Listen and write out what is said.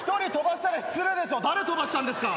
誰飛ばしたんですか？